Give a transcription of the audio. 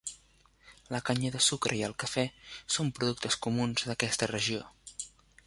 La canya de sucre i el cafè son productes comuns d'aquesta regió.